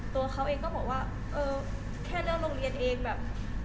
ตัวเขาเองก็บอกว่าเออแค่เรื่องโรงเรียนเองแบบ